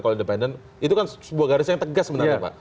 kalau independen itu kan sebuah garis yang tegas sebenarnya pak